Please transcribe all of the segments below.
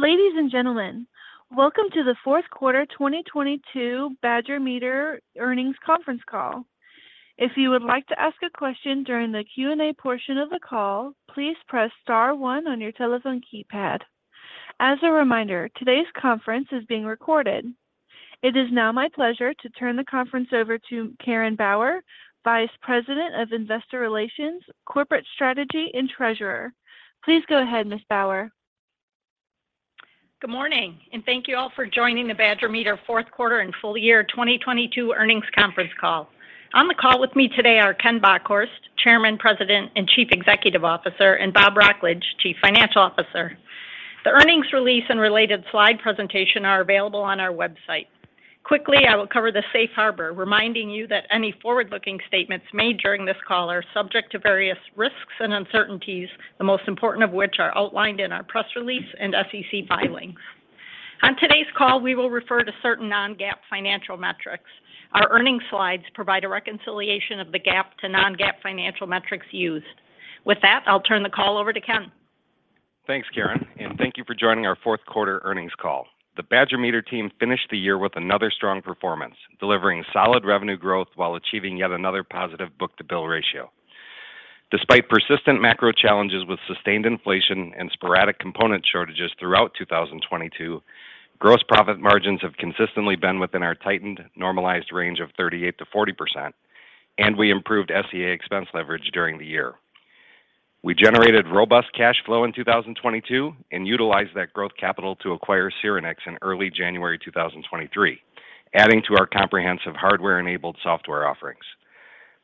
Ladies and gentlemen, welcome to the fourth quarter 2022 Badger Meter Earnings Conference Call. If you would like to ask a question during the Q&A portion of the call, please press star one on your telephone keypad. As a reminder, today's conference is being recorded. It is now my pleasure to turn the conference over to Karen Bauer, Vice President of Investor Relations, Corporate Strategy, and Treasurer. Please go ahead, Ms. Bauer. Good morning. Thank you all for joining the Badger Meter fourth quarter and full year 2022 earnings conference call. On the call with me today are Ken Bockhorst, Chairman, President, and Chief Executive Officer, and Bob Wrocklage, Chief Financial Officer. The earnings release and related slide presentation are available on our website. Quickly, I will cover the Safe Harbor, reminding you that any forward-looking statements made during this call are subject to various risks and uncertainties, the most important of which are outlined in our press release and SEC filings. On today's call, we will refer to certain non-GAAP financial metrics. Our earnings slides provide a reconciliation of the GAAP to non-GAAP financial metrics used. With that, I'll turn the call over to Ken. Thanks, Karen. Thank you for joining our fourth quarter earnings call. The Badger Meter team finished the year with another strong performance, delivering solid revenue growth while achieving yet another positive book-to-bill ratio. Despite persistent macro challenges with sustained inflation and sporadic component shortages throughout 2022, gross profit margins have consistently been within our tightened, normalized range of 38%-40%, and we improved SEA expense leverage during the year. We generated robust cash flow in 2022 and utilized that growth capital to acquire Syrinix in early January 2023, adding to our comprehensive hardware-enabled software offerings.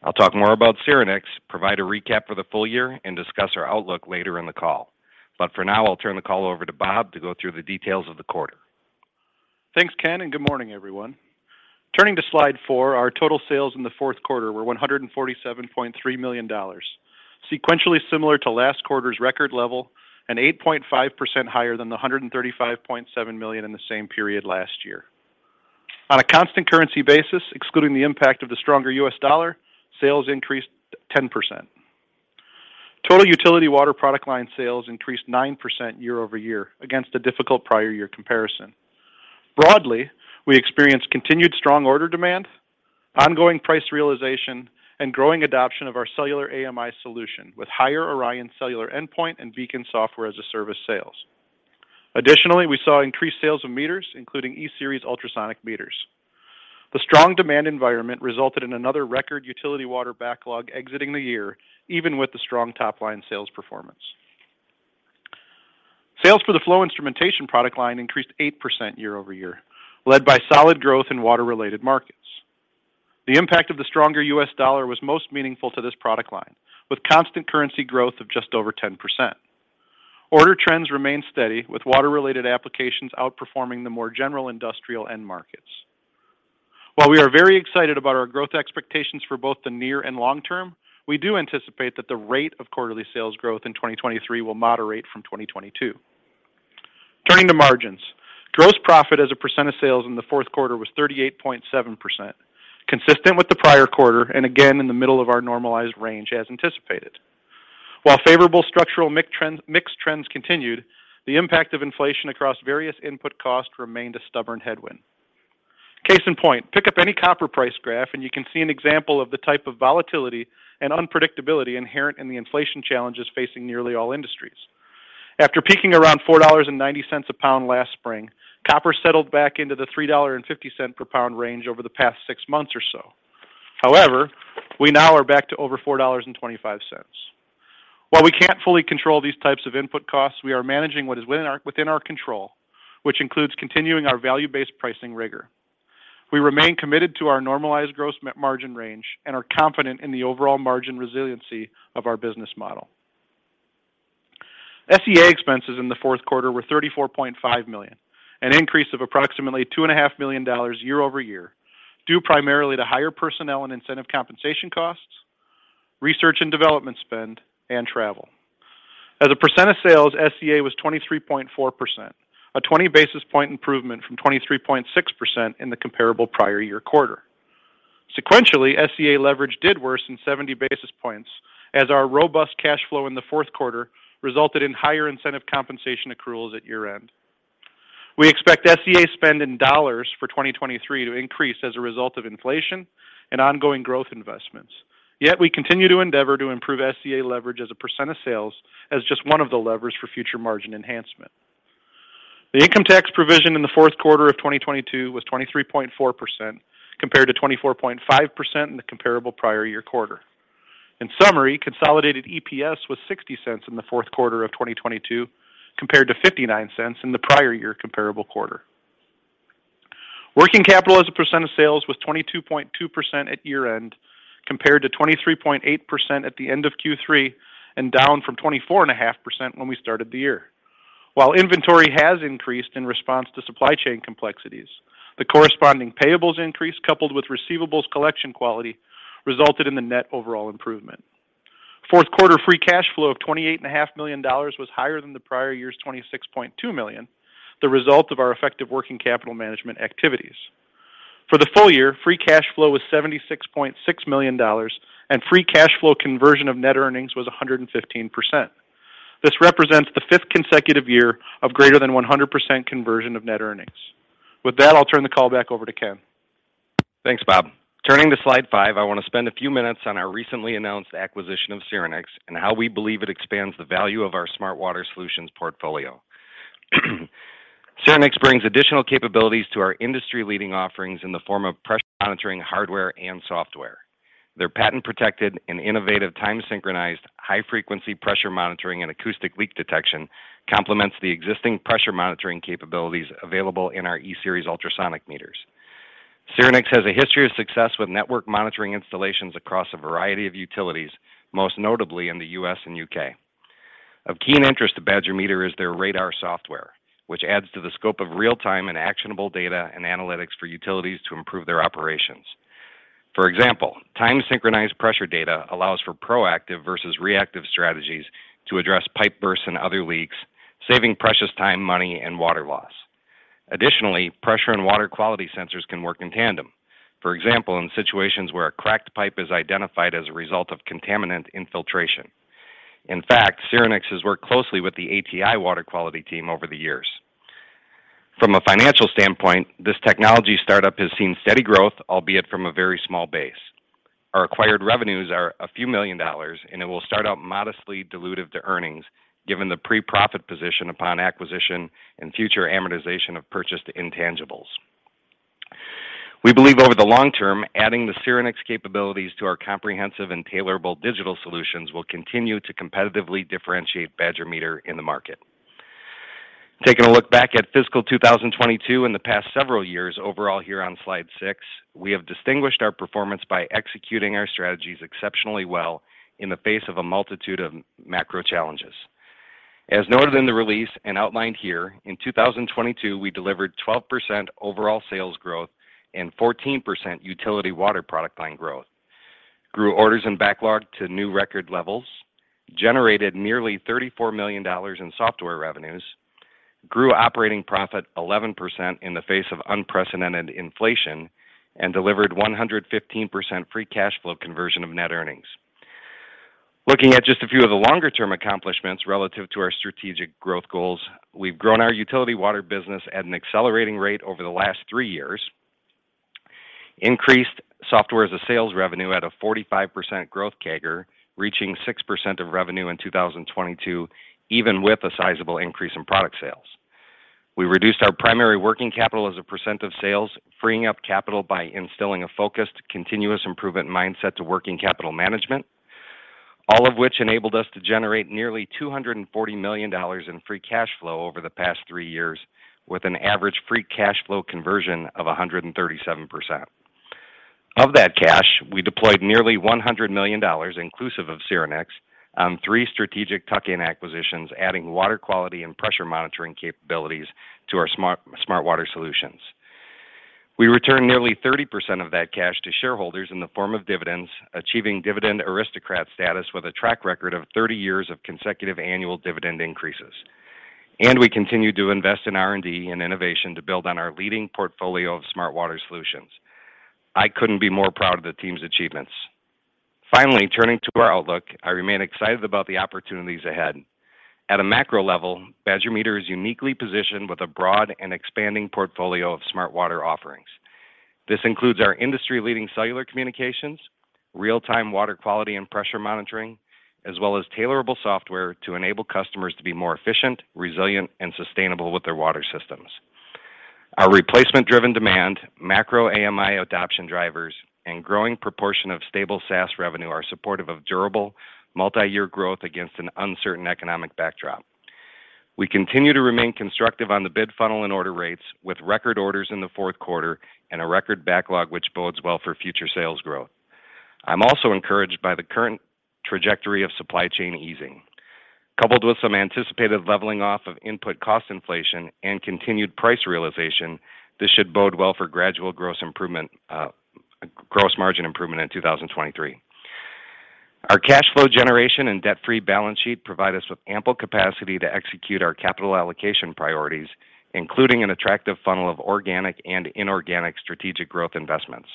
I'll talk more about Syrinix, provide a recap for the full year, and discuss our outlook later in the call. For now, I'll turn the call over to Bob to go through the details of the quarter. Thanks, Ken, and good morning, everyone. Turning to slide four, our total sales in the fourth quarter were $147.3 million, sequentially similar to last quarter's record level and 8.5% higher than the $135.7 million in the same period last year. On a constant currency basis, excluding the impact of the stronger U.S. dollar, sales increased 10%. Total utility water product line sales increased 9% year-over-year against a difficult prior year comparison. Broadly, we experienced continued strong order demand, ongoing price realization, and growing adoption of our cellular AMI solution, with higher ORION cellular endpoint and BEACON software as a service sales. Additionally, we saw increased sales of meters, including E-Series ultrasonic meters. The strong demand environment resulted in another record utility water backlog exiting the year, even with the strong top-line sales performance. Sales for the flow instrumentation product line increased 8% year-over-year, led by solid growth in water-related markets. The impact of the stronger U.S. dollar was most meaningful to this product line, with constant currency growth of just over 10%. Order trends remained steady, with water-related applications outperforming the more general industrial end markets. While we are very excited about our growth expectations for both the near and long term, we do anticipate that the rate of quarterly sales growth in 2023 will moderate from 2022. Turning to margins, gross profit as a percent of sales in the fourth quarter was 38.7%, consistent with the prior quarter and again in the middle of our normalized range as anticipated. While favorable structural mix trends continued, the impact of inflation across various input costs remained a stubborn headwind. Case in point, pick up any copper price graph and you can see an example of the type of volatility and unpredictability inherent in the inflation challenges facing nearly all industries. After peaking around $4.90 a pound last spring, copper settled back into the $3.50 per pound range over the past six months or so. We now are back to over $4.25. While we can't fully control these types of input costs, we are managing what is within our control, which includes continuing our value-based pricing rigor. We remain committed to our normalized gross margin range and are confident in the overall margin resiliency of our business model. SEA expenses in the fourth quarter were $34.5 million, an increase of approximately $2.5 million year-over-year, due primarily to higher personnel and incentive compensation costs, research and development spend, and travel. As a percent of sales, SEA was 23.4%, a 20 basis point improvement from 23.6% in the comparable prior year quarter. Sequentially, SEA leverage did worsen 70 basis points as our robust cash flow in the fourth quarter resulted in higher incentive compensation accruals at year-end. We expect SEA spend in dollars for 2023 to increase as a result of inflation and ongoing growth investments. We continue to endeavor to improve SEA leverage as a percent of sales as just one of the levers for future margin enhancement. The income tax provision in the fourth quarter of 2022 was 23.4%, compared to 24.5% in the comparable prior year quarter. In summary, consolidated EPS was $0.60 in the fourth quarter of 2022, compared to $0.59 in the prior year comparable quarter. Working capital as a percent of sales was 22.2% at year-end, compared to 23.8% at the end of Q3 and down from 24.5% when we started the year. While inventory has increased in response to supply chain complexities, the corresponding payables increase, coupled with receivables collection quality, resulted in the net overall improvement. Fourth quarter free cash flow of $28.5 million was higher than the prior year's $26.2 million, the result of our effective working capital management activities. For the full year, free cash flow was $76.6 million. Free cash flow conversion of net earnings was 115%. This represents the fifth consecutive year of greater than 100% conversion of net earnings. With that, I'll turn the call back over to Ken. Thanks, Bob. Turning to slide five, I want to spend a few minutes on our recently announced acquisition of Syrinix and how we believe it expands the value of our Smart Water Solutions portfolio. Syrinix brings additional capabilities to our industry-leading offerings in the form of pressure monitoring hardware and software. Their patent-protected and innovative time-synchronized high-frequency pressure monitoring and acoustic leak detection complements the existing pressure monitoring capabilities available in our E-Series ultrasonic meters. Syrinix has a history of success with network monitoring installations across a variety of utilities, most notably in the U.S. and U.K. Of key interest to Badger Meter is their radar software, which adds to the scope of real-time and actionable data and analytics for utilities to improve their operations. For example, time-synchronized pressure data allows for proactive versus reactive strategies to address pipe bursts and other leaks, saving precious time, money, and water loss. Additionally, pressure and water quality sensors can work in tandem, for example, in situations where a cracked pipe is identified as a result of contaminant infiltration. In fact, Syrinix has worked closely with the ATi water quality team over the years. From a financial standpoint, this technology startup has seen steady growth, albeit from a very small base. Our acquired revenues are a few million dollars, and it will start out modestly dilutive to earnings, given the pre-profit position upon acquisition and future amortization of purchased intangibles. We believe over the long term, adding the Syrinix capabilities to our comprehensive and tailorable digital solutions will continue to competitively differentiate Badger Meter in the market. Taking a look back at fiscal 2022 and the past several years overall here on slide six, we have distinguished our performance by executing our strategies exceptionally well in the face of a multitude of macro challenges. As noted in the release and outlined here, in 2022, we delivered 12% overall sales growth and 14% utility water product line growth, grew orders and backlog to new record levels, generated nearly $34 million in software revenues, grew operating profit 11% in the face of unprecedented inflation, and delivered 115% free cash flow conversion of net earnings. Looking at just a few of the longer-term accomplishments relative to our strategic growth goals, we've grown our utility water business at an accelerating rate over the last three years, increased software as a sales revenue at a 45% growth CAGR, reaching 6% of revenue in 2022, even with a sizable increase in product sales. We reduced our primary working capital as a percent of sales, freeing up capital by instilling a focused, continuous improvement mindset to working capital management. All of which enabled us to generate nearly $240 million in free cash flow over the past three years, with an average free cash flow conversion of 137%. Of that cash, we deployed nearly $100 million, inclusive of Syrinix, on three strategic tuck-in acquisitions, adding water quality and pressure monitoring capabilities to our Smart Water Solutions. We returned nearly 30% of that cash to shareholders in the form of dividends, achieving dividend aristocrat status with a track record of 30 years of consecutive annual dividend increases. We continued to invest in R&D and innovation to build on our leading portfolio of Smart Water Solutions. I couldn't be more proud of the team's achievements. Finally, turning to our outlook, I remain excited about the opportunities ahead. At a macro level, Badger Meter is uniquely positioned with a broad and expanding portfolio of Smart Water offerings. This includes our industry-leading cellular communications, real-time water quality and pressure monitoring, as well as tailorable software to enable customers to be more efficient, resilient, and sustainable with their water systems. Our replacement-driven demand, macro AMI adoption drivers, and growing proportion of stable SaaS revenue are supportive of durable multi-year growth against an uncertain economic backdrop. We continue to remain constructive on the bid funnel and order rates with record orders in the fourth quarter and a record backlog, which bodes well for future sales growth. I'm also encouraged by the current trajectory of supply chain easing. Coupled with some anticipated leveling off of input cost inflation and continued price realization, this should bode well for gradual gross improvement, gross margin improvement in 2023. Our cash flow generation and debt-free balance sheet provide us with ample capacity to execute our capital allocation priorities, including an attractive funnel of organic and inorganic strategic growth investments.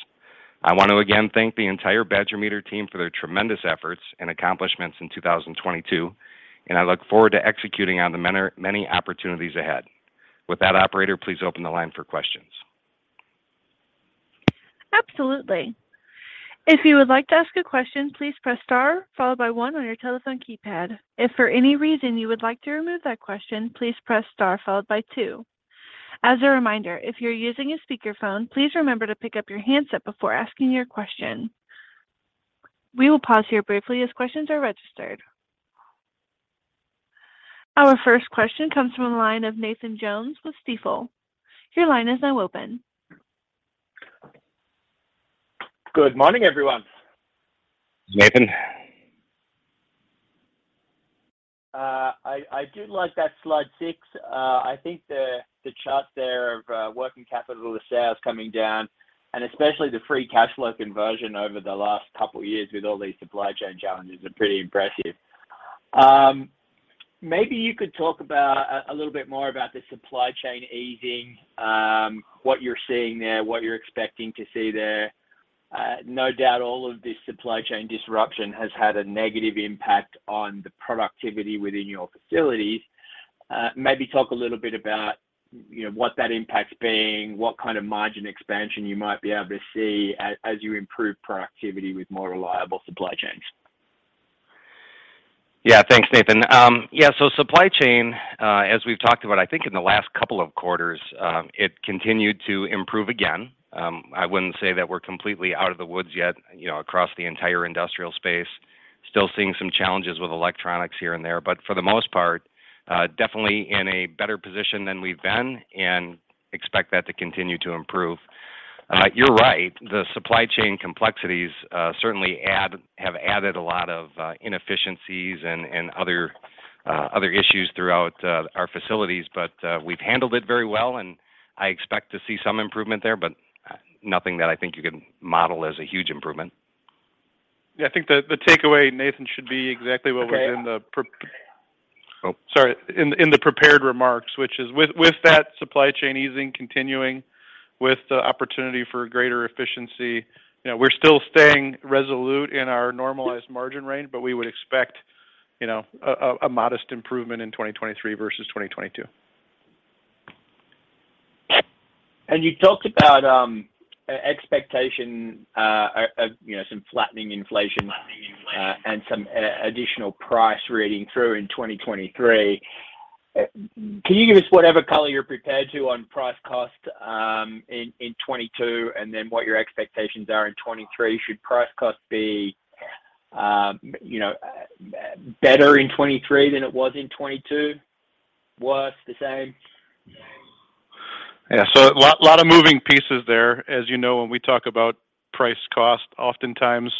I want to again thank the entire Badger Meter team for their tremendous efforts and accomplishments in 2022, and I look forward to executing on the many opportunities ahead. With that, operator, please open the line for questions. Absolutely. If you would like to ask a question, please press star followed by one on your telephone keypad. If for any reason you would like to remove that question, please press star followed by two. As a reminder, if you're using a speakerphone, please remember to pick up your handset before asking your question. We will pause here briefly as questions are registered. Our first question comes from the line of Nathan Jones with Stifel. Your line is now open. Good morning, everyone. Nathan. I do like that slide six. I think the chart there of working capital of the sales coming down, and especially the free cash flow conversion over the last couple years with all these supply chain challenges are pretty impressive. Maybe you could talk about a little bit more about the supply chain easing. What you're seeing there, what you're expecting to see there. No doubt all of this supply chain disruption has had a negative impact on the productivity within your facilities. Maybe talk a little bit about, you know, what that impact's being, what kind of margin expansion you might be able to see as you improve productivity with more reliable supply chains. Yeah. Thanks, Nathan. Supply chain, as we've talked about, I think in the last couple of quarters, it continued to improve again. I wouldn't say that we're completely out of the woods yet, you know, across the entire industrial space. Still seeing some challenges with electronics here and there. For the most part, definitely in a better position than we've been, and expect that to continue to improve. You're right, the supply chain complexities, certainly add, have added a lot of inefficiencies and other issues throughout our facilities. We've handled it very well, and I expect to see some improvement there, but nothing that I think you can model as a huge improvement. Yeah. I think the takeaway, Nathan, should be exactly... Okay... in the. Oh. Sorry. In the prepared remarks, which is with that supply chain easing continuing with the opportunity for greater efficiency, you know, we're still staying resolute in our normalized margin range, but we would expect, you know, a modest improvement in 2023 versus 2022. You talked about expectation, you know, some flattening inflation- Flattening inflation Some additional price reading through in 2023. Can you give us whatever color you're prepared to on price cost in 2022 and then what your expectations are in 2023? Should price cost be, you know, better in 2023 than it was in 2022? Worse, the same? Yeah. A lot of moving pieces there. As you know, when we talk about price cost, oftentimes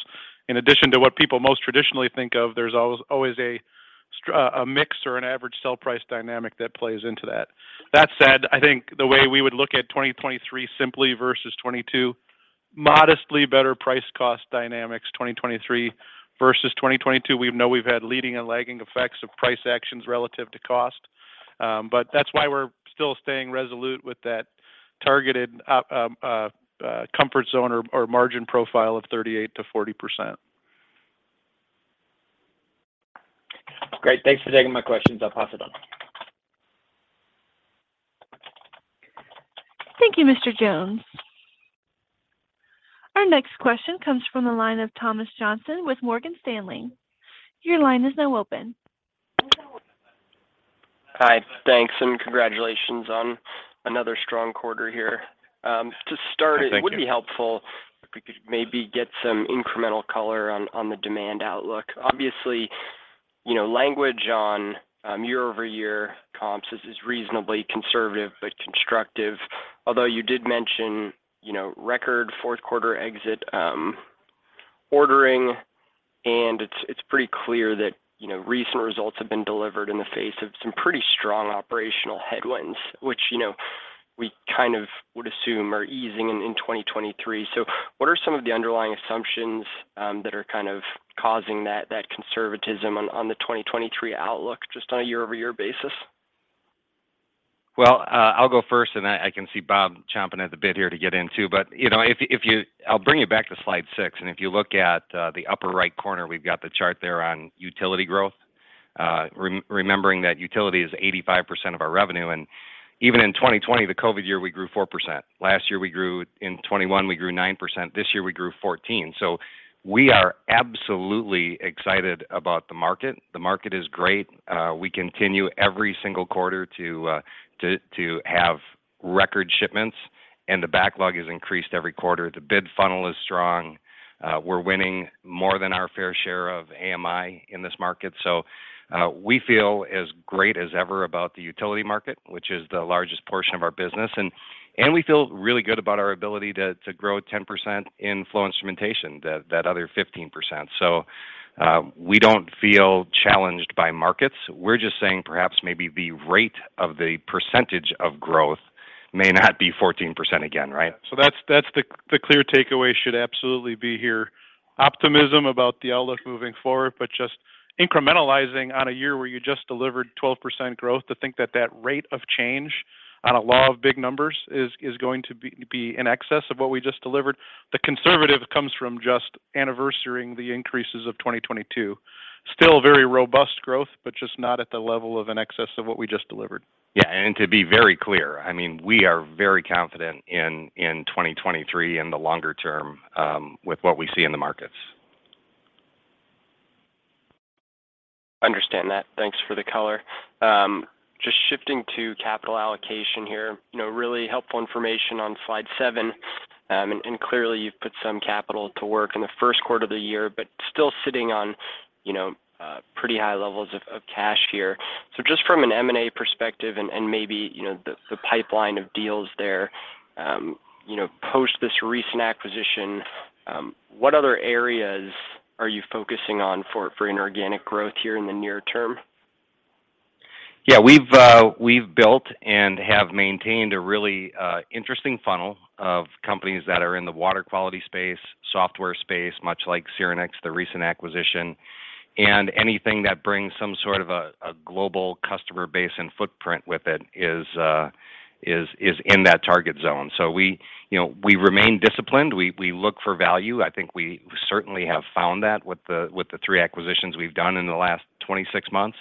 in addition to what people most traditionally think of, there's always a mix or an average sell price dynamic that plays into that. That said, I think the way we would look at 2023 simply versus 2022, modestly better price cost dynamics, 2023 versus 2022. We know we've had leading and lagging effects of price actions relative to cost. That's why we're still staying resolute with that targeted comfort zone or margin profile of 38%-40%. Great. Thanks for taking my questions. I'll pass it on. Thank you, Mr. Jones. Our next question comes from the line of Thomas Johnson with Morgan Stanley. Your line is now open. Hi. Thanks, congratulations on another strong quarter here. to start Thank you.... it would be helpful if we could maybe get some incremental color on the demand outlook. Obviously, you know, language on year-over-year comps is reasonably conservative but constructive. Although you did mention, you know, record fourth quarter exit ordering, and it's pretty clear that, you know, recent results have been delivered in the face of some pretty strong operational headwinds, which, you know, we kind of would assume are easing in 2023. What are some of the underlying assumptions that are kind of causing that conservatism on the 2023 outlook just on a year-over-year basis? I'll go first and then I can see Bob chomping at the bit here to get in too. You know, I'll bring you back to slide six, if you look at the upper right corner, we've got the chart there on utility growth. Remembering that utility is 85% of our revenue. Even in 2020, the COVID year, we grew 4%. Last year we grew, in 2021, we grew 9%. This year we grew 14%. We are absolutely excited about the market. The market is great. We continue every single quarter to have record shipments, the backlog has increased every quarter. The bid funnel is strong. We're winning more than our fair share of AMI in this market. We feel as great as ever about the utility market, which is the largest portion of our business. We feel really good about our ability to grow 10% in flow instrumentation, that other 15%. We don't feel challenged by markets. We're just saying perhaps maybe the rate of the percentage of growth may not be 14% again, right? That's the clear takeaway should absolutely be here. Optimism about the outlook moving forward, just incrementalizing on a year where you just delivered 12% growth, to think that that rate of change on a law of big numbers is going to be in excess of what we just delivered. The conservative comes from just anniversarying the increases of 2022. Still very robust growth, but just not at the level of an excess of what we just delivered. Yeah. To be very clear, I mean, we are very confident in 2023 and the longer term, with what we see in the markets. Understand that. Thanks for the color. Just shifting to capital allocation here. You know, really helpful information on slide seven. And clearly you've put some capital to work in the first quarter of the year, but still sitting on, you know, pretty high levels of cash here. Just from an M&A perspective and maybe, you know, the pipeline of deals there, you know, post this recent acquisition, what other areas are you focusing on for inorganic growth here in the near term? Yeah, we've built and have maintained a really interesting funnel of companies that are in the water quality space, software space, much like Syrinix, the recent acquisition, and anything that brings some sort of a global customer base and footprint with it is in that target zone. We, you know, we remain disciplined. We, we look for value. I think we certainly have found that with the, with the three acquisitions we've done in the last 26 months.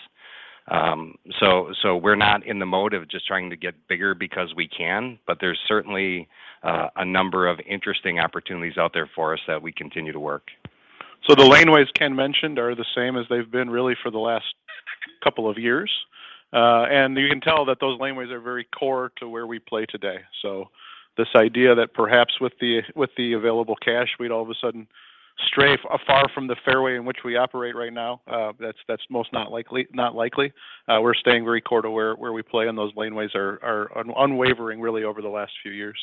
We're not in the mode of just trying to get bigger because we can, but there's certainly a number of interesting opportunities out there for us that we continue to work. The laneways Ken mentioned are the same as they've been really for the last couple of years. You can tell that those laneways are very core to where we play today. This idea that perhaps with the, with the available cash, we'd all of a sudden stray far from the fairway in which we operate right now, that's most not likely. Not likely. We're staying very core to where we play, and those laneways are unwavering really over the last few years.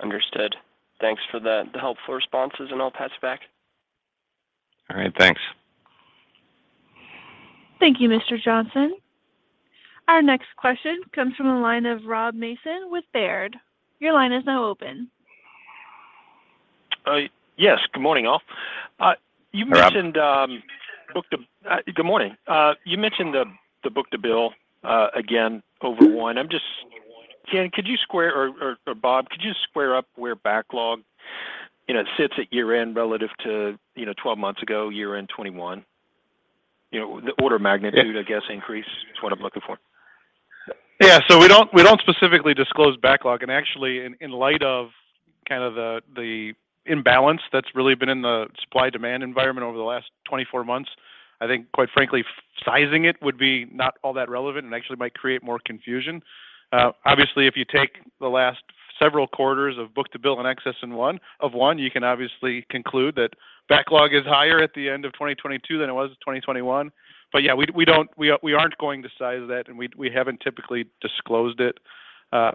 Understood. Thanks for the helpful responses. I'll pass it back. All right. Thanks. Thank you, Mr. Johnson. Our next question comes from the line of Rob Mason with Baird. Your line is now open. Yes. Good morning, all. You mentioned. Rob. Good morning. You mentioned the book-to-bill, again, over one. Or Bob, could you square up where backlog, you know, sits at year-end relative to, you know, 12 months ago, year-end 2021? You know, the order of magnitude. Yeah. I guess, increase is what I'm looking for. We don't specifically disclose backlog. Actually in light of kind of the imbalance that's really been in the supply-demand environment over the last 24 months, I think quite frankly, sizing it would be not all that relevant and actually might create more confusion. Obviously, if you take the last several quarters of book-to-bill in excess of one, you can obviously conclude that backlog is higher at the end of 2022 than it was in 2021. We don't, we aren't going to size that, and we haven't typically disclosed it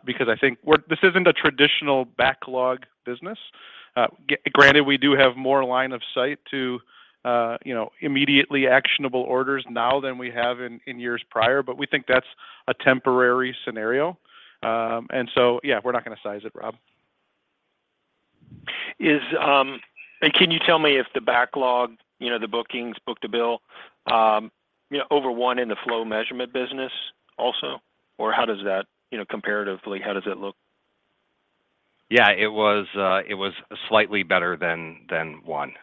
because I think this isn't a traditional backlog business. Granted, we do have more line of sight to, you know, immediately actionable orders now than we have in years prior, but we think that's a temporary scenario. Yeah, we're not gonna size it, Rob. Can you tell me if the backlog, you know, the bookings, book-to-bill, you know, over one in the flow measurement business also? You know, comparatively, how does it look? It was slightly better than one.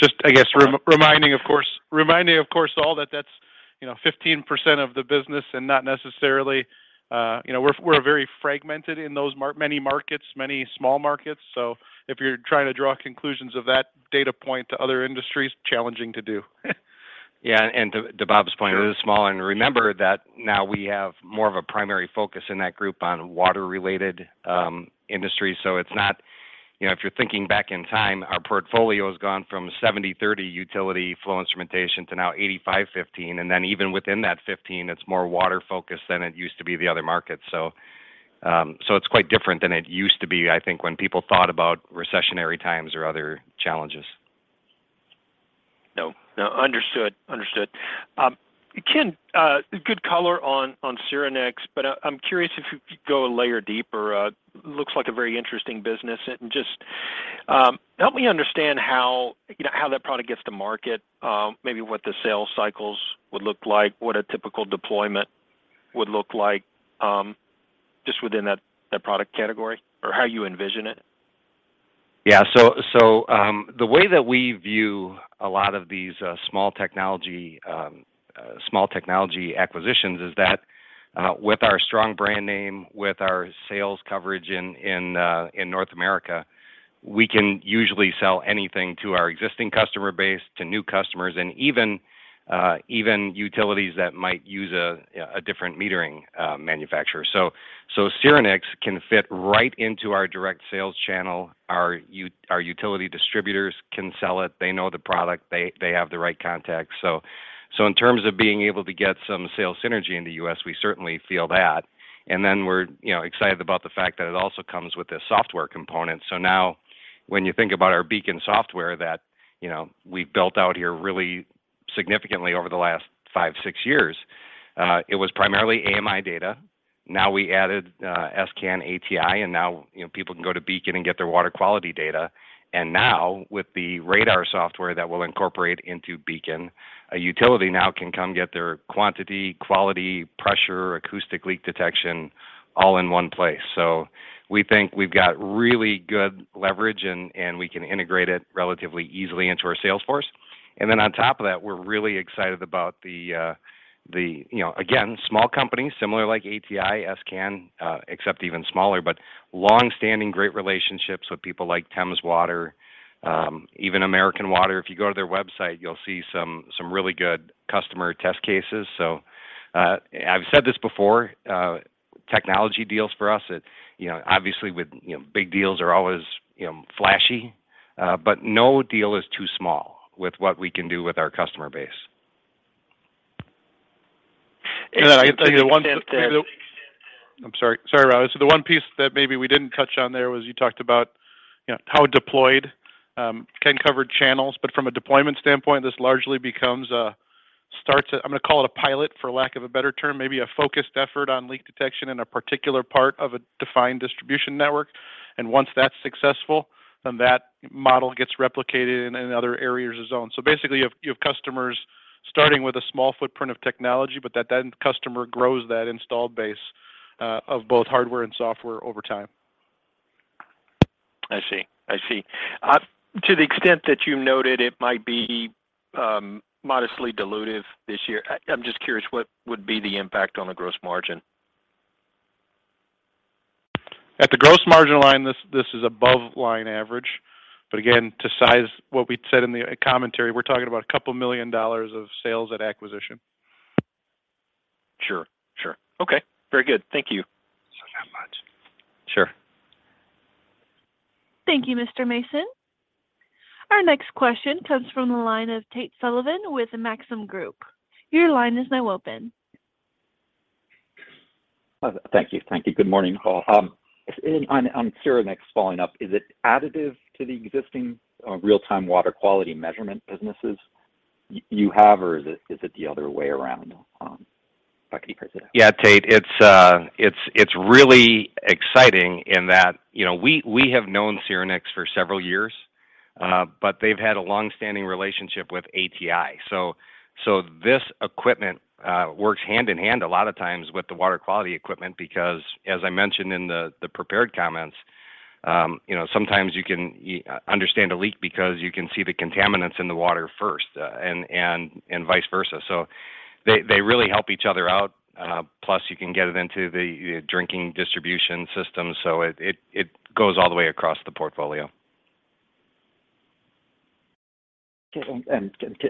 Just, I guess, reminding, of course, all that that's, you know, 15% of the business and not necessarily. You know, we're very fragmented in those many markets, many small markets, so if you're trying to draw conclusions of that data point to other industries, challenging to do. To Bob's point, it is small. Remember that now we have more of a primary focus in that group on water-related industry. You know, if you're thinking back in time, our portfolio has gone from 70/30 utility flow instrumentation to now 85/15, then even within that 15, it's more water-focused than it used to be the other markets. It's quite different than it used to be, I think, when people thought about recessionary times or other challenges. No, no. Understood. Understood. Ken, good color on Syrinix, but I'm curious if you could go a layer deeper. Looks like a very interesting business. Just help me understand how, you know, how that product gets to market, maybe what the sales cycles would look like, what a typical deployment would look like, just within that product category or how you envision it. Yeah. The way that we view a lot of these small technology acquisitions is that with our strong brand name, with our sales coverage in North America, we can usually sell anything to our existing customer base, to new customers, and even utilities that might use a different metering manufacturer. Syrinix can fit right into our direct sales channel. Our utility distributors can sell it. They know the product. They have the right contacts. In terms of being able to get some sales synergy in the U.S., we certainly feel that. We're, you know, excited about the fact that it also comes with a software component. Now when you think about our BEACON software that, you know, we've built out here really significantly over the last five, six years, it was primarily AMI data. Now we added s::can, ATi, and now, you know, people can go to BEACON and get their water quality data. Now with the radar software that we'll incorporate into BEACON, a utility now can come get their quantity, quality, pressure, acoustic leak detection all in one place. We think we've got really good leverage, and we can integrate it relatively easily into our sales force. On top of that, we're really excited about the, you know, again, small companies, similar like ATi, s::can, except even smaller, but long-standing great relationships with people like Thames Water, even American Water. If you go to their website, you'll see some really good customer test cases. I've said this before, technology deals for us, it, you know, obviously with, you know, big deals are always, you know, flashy, but no deal is too small with what we can do with our customer base. I can tell you. I'm sorry. Sorry, Rob. The one piece that maybe we didn't touch on there was you talked about, you know, how deployed can cover channels, but from a deployment standpoint, this largely becomes a start to. I'm gonna call it a pilot, for lack of a better term. Maybe a focused effort on leak detection in a particular part of a defined distribution network. Once that's successful, that model gets replicated in other areas or zones. Basically you have customers starting with a small footprint of technology, but that then customer grows that installed base of both hardware and software over time. I see. I see. To the extent that you noted it might be modestly dilutive this year, I'm just curious what would be the impact on the gross margin? At the gross margin line, this is above line average. Again, to size what we said in the commentary, we're talking about a couple million dollars of sales at acquisition. Sure. Sure. Okay. Very good. Thank you. Thank you so much. Sure. Thank you, Mr. Mason. Our next question comes from the line of Tate Sullivan with Maxim Group. Your line is now open. Thank you. Thank you. Good morning, all. On Syrinix following up, is it additive to the existing real-time water quality measurement businesses you have, or is it the other way around? If I could hear that. Yeah, Tate, it's really exciting in that, you know, we have known Syrinix for several years, but they've had a long-standing relationship with ATi. This equipment works hand in hand a lot of times with the water quality equipment because, as I mentioned in the prepared comments, you know, sometimes you can understand a leak because you can see the contaminants in the water first, and vice versa. They really help each other out, plus you can get it into the drinking distribution system, so it goes all the way across the portfolio. Okay.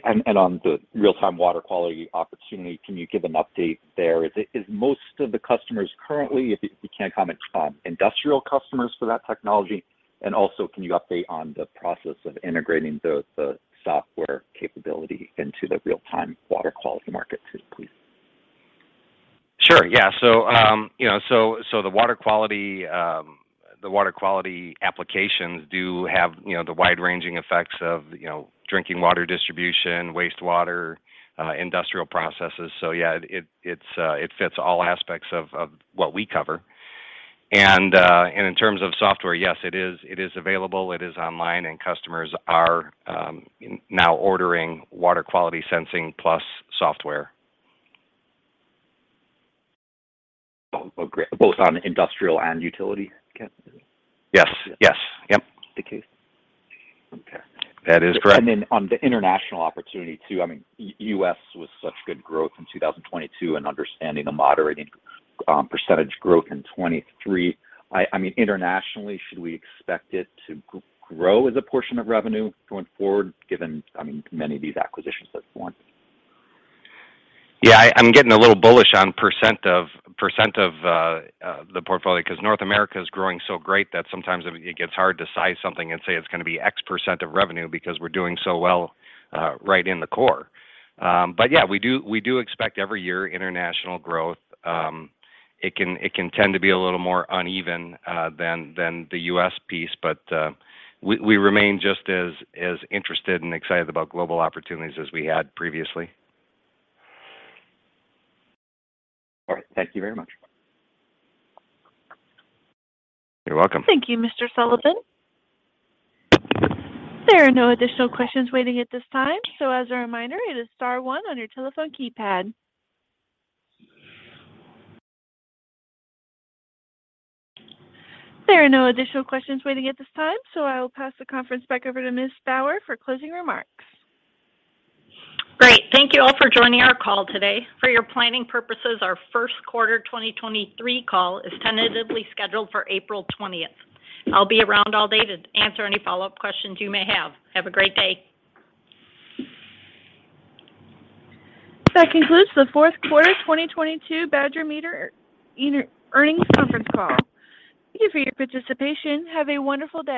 On the real-time water quality opportunity, can you give an update there? Is most of the customers currently, if you can't comment on industrial customers for that technology, and also can you update on the process of integrating the software capability into the real-time water quality market too, please? Sure. Yeah. You know, so the water quality, the water quality applications do have, you know, the wide-ranging effects of, you know, drinking water distribution, wastewater, industrial processes. Yeah, it fits all aspects of what we cover. In terms of software, yes, it is available, it is online, and customers are now ordering water quality sensing plus software. Oh, oh, great. Both on industrial and utility, Ken? Yes. Yes. Yep. Okay. Okay. That is correct. On the international opportunity too, I mean, U.S. was such good growth in 2022, and understanding the moderating percentage growth in 2023, I mean, internationally, should we expect it to grow as a portion of revenue going forward, given, I mean, many of these acquisitions that formed? I'm getting a little bullish on percent of the portfolio 'cause North America is growing so great that sometimes it gets hard to size something and say it's gonna be X% of revenue because we're doing so well right in the core. We do expect every year international growth. It can tend to be a little more uneven than the U.S. piece, but we remain just as interested and excited about global opportunities as we had previously. All right. Thank you very much. You're welcome. Thank you, Mr. Sullivan. There are no additional questions waiting at this time, so as a reminder, it is star one on your telephone keypad. There are no additional questions waiting at this time, so I will pass the conference back over to Ms. Bauer for closing remarks. Great. Thank you all for joining our call today. For your planning purposes, our first quarter 2023 call is tentatively scheduled for April 20th. I'll be around all day to answer any follow-up questions you may have. Have a great day. That concludes the fourth quarter 2022 Badger Meter earnings conference call. Thank you for your participation. Have a wonderful day.